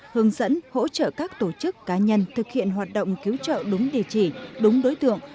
hướng dẫn hỗ trợ các tổ chức cá nhân thực hiện hoạt động cứu trợ đúng địa chỉ đúng đối tượng